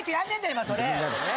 今それ。